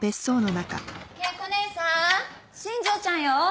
恵子姉さん新庄ちゃんよ。